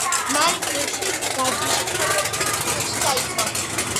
მან კრივში ვარჯიში თორმეტი წლის ასაკში დაიწყო.